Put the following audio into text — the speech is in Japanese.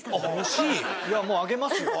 いやもうあげますよ